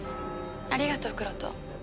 ありがとうクロトー。